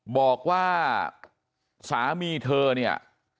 บอกว่าสามีเธอเนี่ย